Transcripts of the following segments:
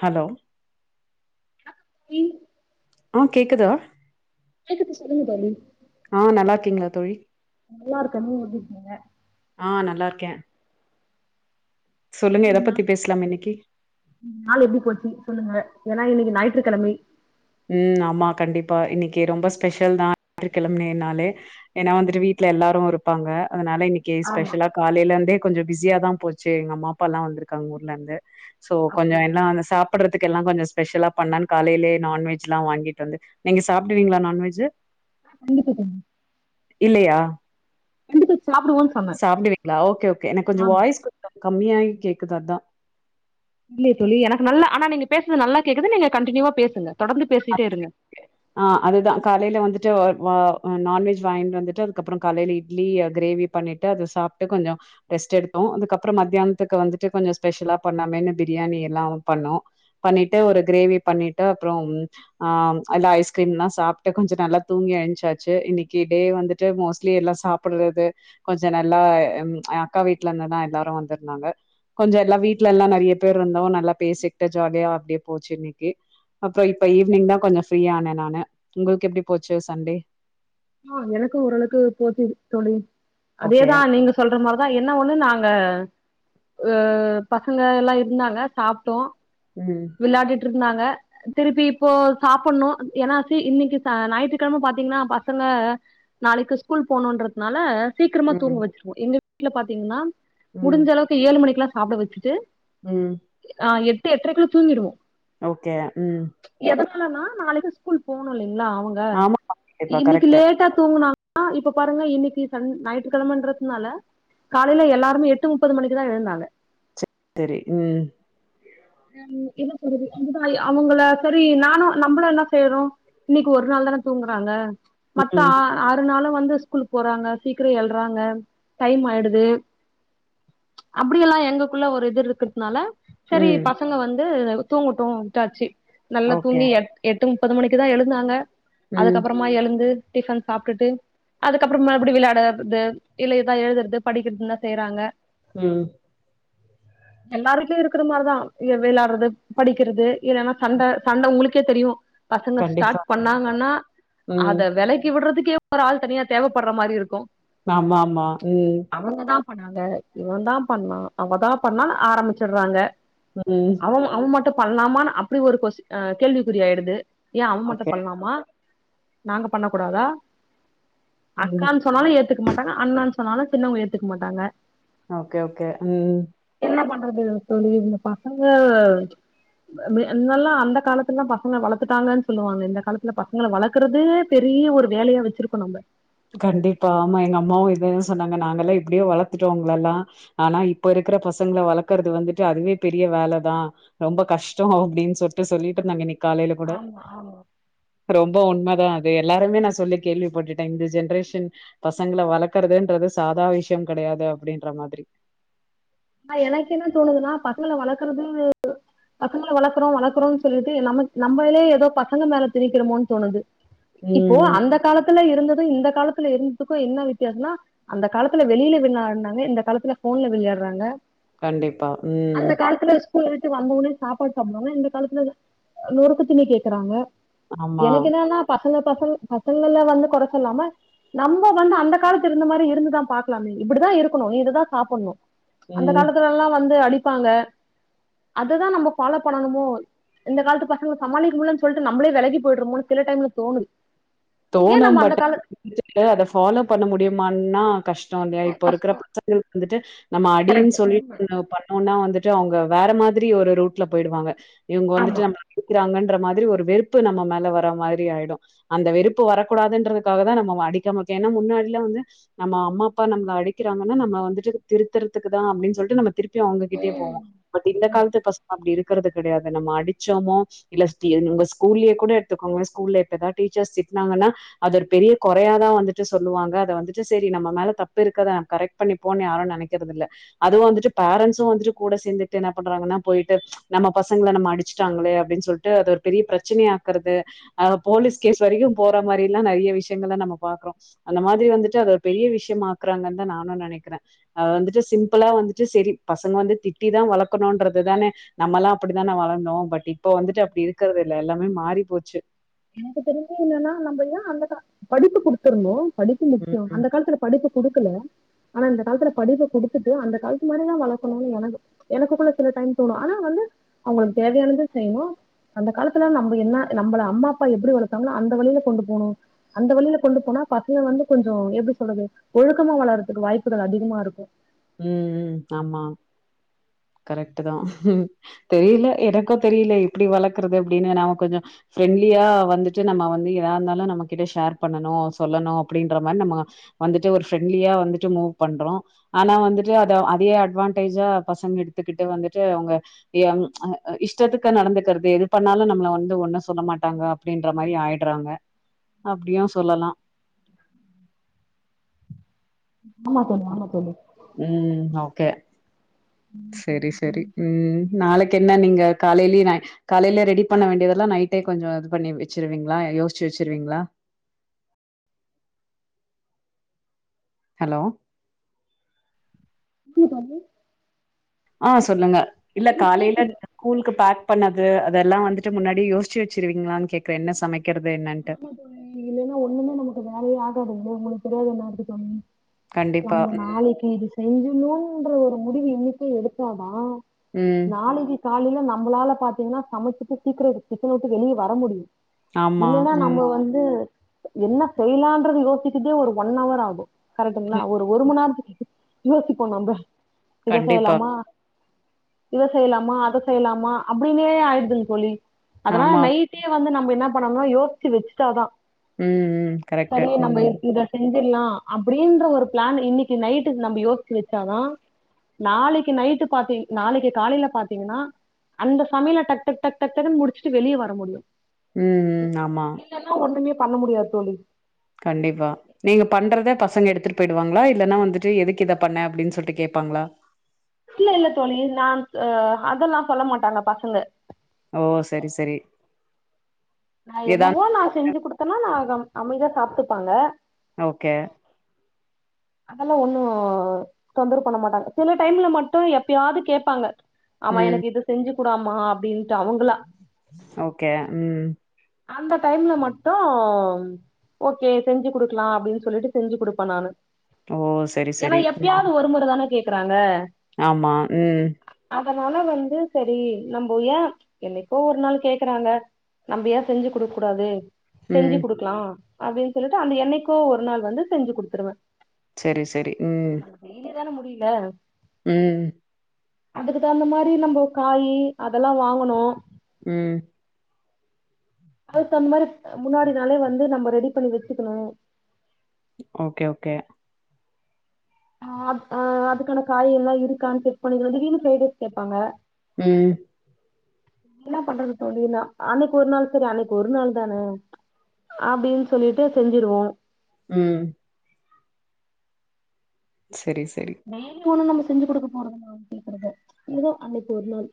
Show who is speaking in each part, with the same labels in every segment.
Speaker 1: Hello
Speaker 2: ம்
Speaker 1: ஆ கேக்குதா
Speaker 2: கேக்குது சொல்லுங்க தோழி
Speaker 1: ஆ நல்லா இருக்கீங்களா தோழி
Speaker 2: நல்லா இருக்கன் நீங்க எப்டி இருக்கீங்க
Speaker 1: ஆ நல்லா இருக்கே சொல்லுங்க எத
Speaker 2: இன்னக்கி நா
Speaker 1: பத்தி பேசலாம் இன்னைக்கி
Speaker 2: நாள் எப்டி போச்சி சொல்லுங்க ஏனா இன்னைக்கி ஞாயிற்றுக்கெழமை
Speaker 1: ம் ஆமா கண்டிப்பா இன்னைக்கு ரொம்ப ஸ்பெஷல் தான் ஞாயிற்று கிழமேன்னால ஏனா வந்துட்டு வீட்ல எல்லாரும் இருப்பாங்க அதனால இன்னைக்கி
Speaker 2: ஆமா
Speaker 1: ஸ்பெஷலா காலையிலந்தே கொஞ்சம் பிஸியா தா போச்சி எங்க அம்மா அப்பா எல்லா வந்துருக்காங்க ஊர்ல இருந்து சோ கொஞ்சம்
Speaker 2: அப்டியா
Speaker 1: எல்லாம் அந்த சாப்படறதுக் கெல்லா கொஞ்சோம் ஸ்பெஷலா பண்லான் காலையிலே நான்வெஜ் ஜிலா வாங்கிட்டு வந்து நீங்க சாப்டுவீங்களா நான்வெஜ்ஜி
Speaker 2: கண்டிப்பா தோழி
Speaker 1: இல்லயா
Speaker 2: கண்டிப்பா சாப்டுவோன்னு சொன்னே
Speaker 1: சாப்டுவீங்களா ஓகே ஓகே எனக்கு கொஞ்சம்
Speaker 2: ஆமா
Speaker 1: வாய்ஸ் கொஞ்சம் கம்மியாயி கேக்குது அதான்
Speaker 2: இல்லே தோழி எனக்கு நல்லா ஆனா நீங்க பேசறது நல்லா கேக்குது நீங்க கண்டினியூவா பேசுங்க தொடர்ந்து பேசிட்டே இருங்க
Speaker 1: ஆ அதுதான் காலையில வந்து நான்வெஜ் வாங்கிட்டு வந்துட்டு அதுக்கப்பறோ காலேல இட்லி கிரேவி பண்ணிட்டு அத சாப்ட்டு கொஞ்சோ ரெஸ்ட் எடுத்தோ அதுக்கப்பறோ மத்தியானத்துக்கு வந்துட்டு கொஞ்ச ஸ்பெஷலா பண்ணாமேன்ன பிரியாணி எல்லா பண்ணோ பண்ணிட்டு ஒரு கிரேவி பண்ணிட்டு அப்றோ ஆ அல்லா ஐஸ்கிரீம்ல்லா சாப்ட்டு கொஞ்சோ நல்லா தூங்கி எழ்ச்சாச்சு இன்னைக்கு டே வந்துட்டு மோஸ்ட்லி எல்லா சாப்டுறது கொஞ்ச நல்லா அக்கா வீட்ல இருந்துதா எல்லாரு வந்திருந்தாங்க கொஞ்ச எல்லா வீட்ல எல்லா நெறய பேர் இருந்தோ நல்லா பேசிக்கிட்ட ஜாலியா அப்டியே போச்சு இன்னைக்கு அப்றோ இப்ப ஈவினிங் தா கொஞ்ச ஃப்ரீயா ஆனே நானு உங்களுக்கு எப்டி போச்சு சண்டே
Speaker 2: ஆ எனக்கு ஓரளவுக்கு போச்சு தோழி
Speaker 1: ஓகே
Speaker 2: அதேதா நீங்க சொல்ற மாரிதா என்ன ஒன்னு நாங்க அ பசங்க எல்லா இருந்தாங்க சாப்ட்டோ
Speaker 1: உம்
Speaker 2: விளாடிட்டு இருந்தாங்க திருப்பி இப்போ சாப்டனு ஏன்னா இன்னக்கி ஞாயித்துக்கெழம பாத்தீங்கனா பச பசங்க நாளைக்கு ஸ்கூல் போணும்ன்றதுனால சீக்கிரமா
Speaker 1: ம்
Speaker 2: தூங்க வச்சிருவோ எங்களு வீட்ல பாத்தீங்னா முடிஞ்ச அளவுக்கு ஏழு மணிக்குலா சாப்ட வச்சுட்டு
Speaker 1: உம்
Speaker 2: ஆ எட்டு எட்றைக்குள்ள தூங்கிடுவோ
Speaker 1: ஓகே உம்
Speaker 2: இலாலனா நாளைக்கு ஸ்கூல் போனு இல்ல இல்ல அவுங்க
Speaker 1: ஆமா கண்டிப்பா
Speaker 2: இன்னைக்கு
Speaker 1: கரெக்ட்
Speaker 2: லேட்டா தூங்குனா ஆ இப்ப பாருங்க இன்னைக்கு சன் ஞாயிற்று கெழமன்றதுனால காலேயில எல்லாருமே எட்டு முப்பது மணிக்குதா எழுந்தாங்க
Speaker 1: சரி உம்
Speaker 2: ம் என்ன சொல்றது அதுதா அவுங்கள சரி நானு நம்மளு என்ன செய்றோ இன்னைக்கு ஒரு நாள் தான தூங்குறாங்க மத்த
Speaker 1: ம்
Speaker 2: ஆ ஆறு நாளு இப்ப வந்து ஸ்கூல் போறாங்க சீக்கிர எழுறாங்க டைம் ஆய்டுது அப்டியெல்லா எங்களுக்குள்ள ஒரு இது இருக்குறதுனால
Speaker 1: ம்
Speaker 2: அவுங்க வந்து தூங்கட்டு விட்டாச்சு நல்லா
Speaker 1: ஓகே
Speaker 2: தூங்கி எ எட்டுமுப் பத்து மணிக்கு தா எழுந்தாங்க
Speaker 1: ம்
Speaker 2: அதுக்கப்பறமா எழுந்து டிஃபன் சாப்டுட்டு அதுக்கப்புற மறுபடியு வெளயாடுறது இல்ல எதா எழுது படிக்குறது தா செய்றாங்க
Speaker 1: உம்
Speaker 2: எல்லார் வீட்லயு இருக்குற மாரி தா வெளயாடுறது படிக்குறது இல்லனா சண்ட சண்ட உங்ளுக்கே தெரியு பசங்க
Speaker 1: கண்டிப்பா
Speaker 2: ஸ்டார்ட் பண்ணாங்கன்னா
Speaker 1: ம்
Speaker 2: அத வெலக்கி விடுறதுக்கே ஒரு ஆள் தனியா தேவபடுற மாரி இருகு
Speaker 1: ஆமா ஆமா ம்
Speaker 2: பண்ணாங்க இவ தா பண்ணா அவதா பண்ணா ஆரம்பிச்சிடுவாங்க
Speaker 1: ம்
Speaker 2: அவல் அவ மட்டு பண்லாமானு அப்டி ஒரு கொஸ் அ கேள்விக்குறி யா யிடுது ஏ அவ மட்டு
Speaker 1: ஓகே
Speaker 2: பண்ணலாமா நாங்க பண்ண கூடாதா
Speaker 1: ம்
Speaker 2: அக்கானு சொன்னாலு ஏத்துக்க மாட்டாங்க அண்ணான்னு சொன் சொனாலு சின்னவங்க ஏதுக்க மாட்டாங்க
Speaker 1: ஓகே ஓகே ம்
Speaker 2: அது சொல்லியிந்துபா அங்க முன்னல்லா அந்த காலத்துலல்லா பசங்கள வளர்த்துட்டாங்கன்னு சொல்லுவாங்க இந்த காலத்துல பசங்கள வளர்க்கறதே பெரிய ஒரு வேலையா வச்சிருக்கனுங்க
Speaker 1: கண்டிப்பா ஆமா எங்க அம்மாவு இதேதா சொன்னாங்க நாங்கல்லா எப்படியோ வளர்த்துட்டோ உங்கலல்லா ஆனா இப்ப இருக்கிற பசங்கள வளர்க்கறது வந்துட்டு அதுவே பெரிய வேலைதா ரொம்ப கஷ்டோ அப்டின்னு சொல்ட்டு சொல்லிட்டுருந்தாங்க இன்னைக் காலையில கூட
Speaker 2: ஆமா ஆமா
Speaker 1: ரொம்ப உண்மதா அது இப்ப எல்லாருமே நா சொல்லி கேள்விப்பட்டுட்டே இந்தஸ் ஜென்ரேஷன் பசங்கள வளர்க்கறதுன்றது சாதா விஷயஃ கெடையாது அப்டின்ற மாதிரி
Speaker 2: ஆ எனக்கு என்ன தோணுதுன்னா பசங்கள வளர்க்கறது பசங்கள வளர்க்குறோ வளர்க்குறோ சொல்லிட்டு நம் நம்மலே ஏதோ பசங்க மேல திணிக்கிறோமோன்னு தோணுது இப்போ
Speaker 1: ம் ம்
Speaker 2: அந்த காலத்துல இருந்தது இந்த காலத்து இருந்ததுக்கு என்ன வித்தியாசம்னா அந்த காலத்துல வெளியில விளையாட்னாங்க இந்த காலத்துல ஃபோன்ல விளையாடுறாங்க
Speaker 1: கண்டிப்பா ம்
Speaker 2: அந்த காலத்துல ஸ்கூல் விட்டு வந்தவுடனே சாப்பாடு சாப்டுவாங்க இந்த காலத்துல நொறுக்குத்தீணி கேக்குறாங்க
Speaker 1: ஆமா
Speaker 2: எனக்கு என்னனா பசங் பசங்க பச பசங்கல வந்து கொற சொல்லாம நம்ம வந்து அந்த காலத்து இருந்த மாதரி இருந்துதா பாக்கலாமே இப்டிதா இருக்கணு இதுதா சாப்டணு அந்த
Speaker 1: ம்
Speaker 2: காலத்துல எல்லா வந்து அடி இருகப்பாங்க அததா நம்ம ஃபாலோ பண்ணமோ இந்த காலத்து பசங்கள சமாளிக்க முடிலனு சொல்லிட்டு நம்மளே விலகி போயிடுரமோ சில டைம்ல தோணுது ஏன்
Speaker 1: தோணு
Speaker 2: நம்ம அந்த
Speaker 1: பட்
Speaker 2: கால
Speaker 1: அத ஃபால்லொவ் பண்ண முடியுமானா [unintelligible] இல்லையா இப்போ இருக்கிற
Speaker 2: கஷ்ட
Speaker 1: பசங்களுக்கு வந்துட்டு நம்ம அடின்னு சொல்லிட்டு பண்ணோம்னா வந்துட்டு ட்டு அவங்க வேற மாதிரி ஒரு ரூட்ல போயிடுவாங்க இவங்க வந்துட்டு நம்மல அடிக்கிறாங்கன்னு மாரி ஒரு வெறுப்பு நம்ம மேல வர மாரி ஆயிடு அந்த வெறுப்பு வெறுப்பு வரக்கூடதுன்றதுக்காகதா நம்ம அடிக்க இருக்கோ ஏன்னா முன்னாடியில வந்து நம்ம அம்மா அப்பா நம்மள அடிக்குறாங்கனா நம்மள வந்துட்டு திருத்றதுக்கு தா அப்டின்னு சொல்லிட்டு நம்ம திரு ப்பயோ அவுங்ககிட்டே போவோ பட் இந்த காலத்து பசங்க அப்டி இருக்கு இருகுறது கெடயாது நம்ம அடிச்சோமோ இல்ல ஸ்கூல்லயே கூட எடுத்துக்கோங்க ஸ்கூல்ல இப்பதா டீச்சர்ஸ் நாங்கன்னா அது ஒரு பெரிய கொறயாதா வந்துட்டு சொல்லுவாங்க அத வந்துட்டு சேரி நம்ம மேல தப்பு இருக்கத நம்ம கரெக்ட் பண்ணி போன்னு யாரு நெனக்கறத இல்ல அதுவு வந்துட்டு பேரன்ஸ்சு வந்துட்டு கூட சேர்ந்துட்டு என்ன பண்றாங்கனா போயிட்டு நம்ம பசங்கள நம்ம அடிச்சுட்டாங்களே அப்டின்னு சொல்லிட்டு அது ஒரு பெரிய பிரச்சனைைய ஆக்குறது ஆ போலீஸ் கேஸ் வரைக்கு போற மாரில்லா நெறய விஷயங்கள் நம்ம பாக்குறோ அந்த மாதிரி வந்துட்டு அது ஒரு பெரிய விஷயமாக்குறாங்கனு தா நானு நெனக்குறே அது வந்துட்டு சிம்பிளா வந்துட்டு சரி பசங்க வந்து திட்டிதா வளக்கணுன்றதுதான நம்மல்லா அப்டிதா தான வளந்தோ பட் இப்போ வந்துட்டு அப்டி இருக்குறது இல்ல எல்லா ம் மாறி போச்சு
Speaker 2: எனக்கு தெரிஞ்ச என்னன்னா நம்மனா அந்த மதிப்பு குடுத்திருந்தோ படிப்பு முக்கியோ
Speaker 1: ம்
Speaker 2: அந்த காலத்ல படிப்பு கொடுத்து ஆனா இந்த காலத்ல படிப்ப குடுத்துட்டு அந்த காலத்து மாரிதா வளக்கனு எனக்கு எனக்குகூட சில டைம் தோணு ஆனா வந்து அவுங்களுக்கு தேவயானத செய்யனு அந்த காலத்துல நம்ம என்ன நம்மள அம்மா அப்ப எப்டி வளர்த்தாங்களோ அந்த வழியில கொண்டு போனு அந்த வழியில கொண்டு போனா பசங்க வந்து கொஞ்சோ எப்டி சொல்றது ஒழுக்கமா வளறதுக்கு வாய்ப்புகள் அதிகமா இருக்கு
Speaker 1: உம் ஆமா கரெக்ட்டு தா தெரியல எனக்கு தெரியல எப்டி வளக்குறது அப்டின்னு நாம கொஞ்ச ஃப்ரெண்ட்லியா வந்துட்டு நம்ம வந்து ஏதா இருந்தாலு நம்ம கிட்ட ஷேர் பண்ணனு சொல்லணு அப்டின்ற மாரி நம்ம வந்துட்டு ஒரு ஃப்ரெண்ட்லியா வந்துட்டு மூவ் பண்றோ ஆனா வந்துட்டு அத அதே அட்வான்டேஜா பசங்க எடுத்துக்கிட்டு வந்துட்டு அவங்க இஷ்டத்துக்கு நடந்துக்கிறது எது பண்ணாலு நம்மள வந்து ஒன்னு சொல்ல மாட்டாங்க அப்டின்ற மாரி ஆயிடுறாங்க அப்டியு சொல்லலா
Speaker 2: ஆமா தோழி ஆமா தோழி
Speaker 1: உம் ஓகே செரி செரி உம் நாளைக்கு என்ன நீங்க காலேயிலயே காலேயிலயே ரெடி பண்ண வேண்டியதெல்லா நைட்டே கொஞ்சோ இது பண்ணி வச்சிருவீங்ளா யோசிச்சு வச்சிருவீங்ளா ஹலோ
Speaker 2: சொ [unintelligible]
Speaker 1: ஆ சொல்லுங்க இல்ல காலேயில
Speaker 2: கேக்குது
Speaker 1: ஸ்கூலுக்கு பேக் பண்ணது அதெல்லா வந்துட்டு முன்னாடியே யோசிச்சு வச்சிருவீங்களான் கேக்குரே என்ன சமைக்க
Speaker 2: ஆமா த இல்லலேன்னா ஒன்னுமே நம்மக்கு அத வேலயே ஆகாது அ ஓங்களுக்கு தெரியா இது ஞாத்திகெலமன்னு
Speaker 1: கண்டிப்பா
Speaker 2: நம்ம நாளைக்கு இது செஞ்சணூன்ற ஒரு முடிவு இன்னிக்கே எடுத்தாதா
Speaker 1: ம்
Speaker 2: நாளைக்கு காலேயில நம்மளால பாத்தீங்கனா சமச்சிட்டு சீக்கிர கிச்சன விட்டு வெளியே வர முடியு
Speaker 1: ஆமா
Speaker 2: இல்லேன்னா நம்ம
Speaker 1: ம்
Speaker 2: வந்து என்ன செய்யலான்றது யோசிக்கதே ஒரு ஒன்னவர் ஆகு கரெக்டுங்ளா ஒரு மணி நேரத்துக்கு யோசிப்போ நம்ப இத
Speaker 1: கண்டிப்பா
Speaker 2: செய்யலாமா இத செய்யலாமா அத செய்யலாமா அப்டின்னே ஆயிடுதுங்க தோழி அதனால
Speaker 1: ஆமா
Speaker 2: நைட்டே வந்து நம்ம என்ன இப்ப நம்ம யோசிச்சு வச்சுட்டாதா
Speaker 1: ம் ம் கரெக்ட் ம்
Speaker 2: செஞ்சிருல்லா அப்டின்ற ஒரு பிளான் இன்னைக்கு நைட்டு நம்ம யோசிச்சு வச்சாதா நாளைக்கு நைட்டு பாத்தீ நாளைக்கு காலையில பாத்தீங்கன்னா அந்த சமையல டக் டக் டக்னு முடிச்சுட்டு வெளியே வர முடியு
Speaker 1: ம்ம் ஆமா
Speaker 2: இல்லன்னா ஒண்ணுமே பண்ண முடியாது தோழி
Speaker 1: கண்டிப்பா நீங்க பண்றத பசங்க எடுத்துட் போயிடுவாங்களா இல்லன்னா வந்துட்டு எதுக்கு இத பண்ண அப்டின்னு சொல்லிட்டு கேப்பாங்களா
Speaker 2: இல்ல இல்ல தோழி நா ஆ அதெல்லா சொல்ல மாட்டாங்க பசங்க
Speaker 1: ஓ செரி செரி
Speaker 2: நா என்னவோ நா செஞ்சு குடுத்தேனா நா அமைதியா சாப்ட்டுப்பாங்க
Speaker 1: ஓகே
Speaker 2: அதெல்லா ஒண்ணு தொந்தரவு பண்ண மாட்டாங்க சில டைம்ல மட்டு எப்பயாவது கேப்பாங்க ஆமா
Speaker 1: ம்.
Speaker 2: எனக்கு இது செஞ்சு கூடாமா அப்டின்னு
Speaker 1: ஓகே ம்
Speaker 2: அந்த டைம்ல மட்டு ஓகே செஞ்சு குடுக்கலா அப்டின்னு சொல்லிட்டு செஞ்சு குடுப்ப நானு
Speaker 1: ஓ! சரி,
Speaker 2: ஏன்னா
Speaker 1: சரி. ம்.
Speaker 2: எப்பயாவது ஒருமுறதானே கேக் இருக்குறாங்க
Speaker 1: ஆமா ம்
Speaker 2: அதனால வந்து செரி நம்ம ஏ என்னைக்கோ ஒரு நாள் கேக்குறாங்க நம்ம ஏ செஞ்சு குடுக்க கூடாது செஞ்சு
Speaker 1: ம்.
Speaker 2: குடுக்கலா அப்டின்னு சொல்லிட்டு அந்த என்னைக்கோ ஒரு நாள் வந்து செஞ்சு குடுத்துருவே
Speaker 1: செரி செரி ம்
Speaker 2: இதுதான முடில
Speaker 1: ம்
Speaker 2: அதுக்கு தகுந்த மாரி நம்ம காயி அதெல்லா வாங்கணு
Speaker 1: ம்
Speaker 2: அதுக்கு அந்த மாரி முன்னாடினாளே வந்து நம்ம ரெடி பண்ணி வச்சுக்கணு
Speaker 1: ஓகே ஓகே
Speaker 2: ஆ ஆ அதுக்கான காய் எல்லா இருக்கான்னு செக் பண்ணிக்கிறது திடிர்னு ஃப்ரை ரைஸ் கேப்பாங்க
Speaker 1: ம்
Speaker 2: என்ன பண்றது தோழி நா அன்னைக்கொரு நாள் செரி அன்னைக்கு ஒரு நாள் தான அப்டின் சொல்லிட்டு செஞ்சிருவோ
Speaker 1: ம் செரி செரி
Speaker 2: யு ஒன்னு நம்ம செஞ்சு குடுக்க போறதில்ல அவ கேக்குறத ஏதோ அன்னைக்கு ஒரு நாள்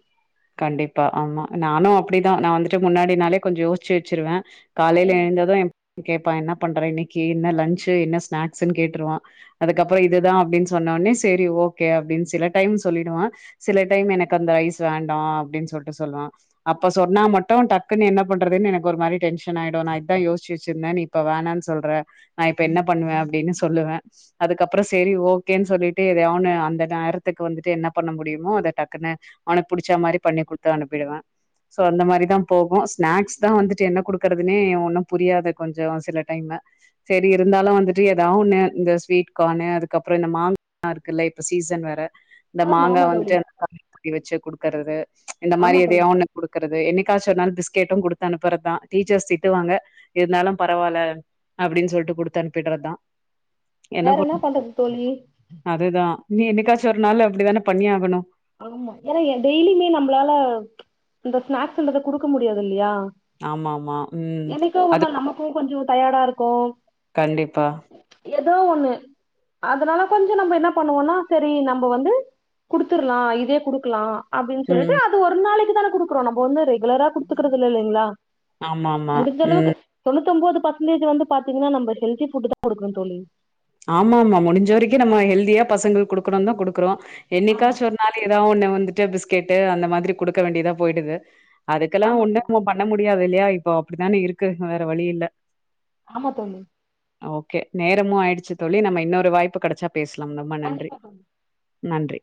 Speaker 1: கண்டிப்பா ஆமா நானு அப்பிடிதா நா வந்துட்டு முன்னாடி நாளே கொஞ்ச யோச்சு வச்சுருவே காலைல எழுந்தது எ கேப்பா என்ன பண்ற இன்னைக்கி என்ன லன்ச்சு என்ன ஸ்நாக்ஸுன் கேட்ருவா அதுக்கப்ற இதுதா அப்டின் சொன்னோனெ செரி ஓகே அப்டின் சில டைம் சொல்லிடுவா சில டைம் எனக்கு அந்த ரைஸ் வேண் டா அப்டின் சொல்ட்டு சொல்வா அப்ப சொன்னா மட்டு டக்குன்னு என்ன பண்றதுன் எனக்கு ஒரு மாதிரி டென்ஷன் ஆயிடு நா இதா யோசுச்சு வச்சிருந்தே நீ இப்ப வேணான் சொல்ற நா இப்ப என்ன பண்ணுவே அப்டின்னு சொல்லுவே அதுக்கப்ற சேரி ஓகேன் சொல்லிட்டு எதையா ஒன்ன அந்த நேரத்துக்கு வந்துட்டு என்ன பண்ண முடியுமோ அத டக்குன்னு அவனுக் புடுச்சா மாரி பண்ணி குடுத்து அனுப்பிடுவே ஸோ அந்த மாரி தா போகு ஸ்நாக்ஸ் தா வந்துட்டு என்ன குடுக்குறதுனே ஒன்னு புரியாது கொஞ்சொ சில டைமு சேரி இருந்தாலு வந்துட்டு எதா ஒன்னு இந்த ஸ்வீட் கானு அதுக்கப்ற இந்த மாங்கா இருக்குல்ல இப்ப சீசன் வேற இந்த
Speaker 2: ஆமா
Speaker 1: மாங்கா
Speaker 2: ஆமா தோழி
Speaker 1: வந்துட்டு [unintelligible] வச்சு க்கறது இந்த மாரி
Speaker 2: ஆமா தோழி
Speaker 1: எதையோ ஒன்னு குடுக்குறது என்னை க்காச்சு ஒரு நாள் பிஸ்கெட்டு குடுத்து அனுப்புறதுதா டீச்சர்ஸ் திட்டுவாங்க இருந்தாலும் பரவால்ல அப்டின் சொல்லிட்டு குடுத்து அனுப்பிட்றதுதா என்ன
Speaker 2: வேற
Speaker 1: ப
Speaker 2: பண்றது தோழி
Speaker 1: அதுதா நி‌ என்னை க்காச்சு ஒரு நாள் அப்டிதான பண்ணி ஆகனு
Speaker 2: ஆமா ஆனா எ டெய்லியுமே நம்ளால இந்த ஸ்நாக்ஸுன்றத குடுக்க முடியாதில்யா
Speaker 1: ஆமாமா ம் அது
Speaker 2: நாள் நமக்கும் கொஞ்சோ டயர்டா இருக்கு
Speaker 1: கண்டிப்பா
Speaker 2: எதோ ஒன்னு அதனால கொஞ்சொ நம்ம என்ன பண்ணுவோன்னா செரி நம்ப வந்து குடு த்துர்லா இதே குடுக்கலா அப்டின்
Speaker 1: ம்
Speaker 2: சொல்லிட்டு அது ஒரு நாளைக் கு தான‌ குடுக்குறோ நம்ப வந்து ரெ குலரா குடுத்துக்குறதில்ல இல்லெங்ளா
Speaker 1: ஆமா ஆமா
Speaker 2: முடுஞ்ச அளவுக்கு
Speaker 1: ம்
Speaker 2: தொண்ணூத் தொம்போது பஸன்டேஜ் வந்து பாத்தீங்னா நம்ம ஹெல்தி ஃபுட்டுதா குடுக்குறோ தோழி
Speaker 1: ஆமாமா முடிஞ்ச வரைக்கு நம்ம ஹெல்தியா பசங்களுக் குடுக்கனுன்தா குடுக்குறோ
Speaker 2: ஆமா
Speaker 1: என்னைக்காச்சு ஒரு நாள் எதா ஒன்னு வ ந்துட்டு பிஸ்கெட்டு் அந்த மாதிரி குடுக்க வேண்டியதா போயிடுது அதுக்கெல்லா
Speaker 2: ஆமா
Speaker 1: ஒன்னு
Speaker 2: தோழி
Speaker 1: நம்ம பண்ண மு டியாதுல்யா இப்போ அப்டிதானே இருக்கு வேற வழி இல்ல
Speaker 2: ஆமா தோழி
Speaker 1: ஓகே நேரமு ஆயிடு ச் தோழி நம்ம இன்னொரு வாய்ப்பு கடச்சா பேசலாம் ரொம்ப நன்றி
Speaker 2: கண்டிப்பா தோழி
Speaker 1: நன்றி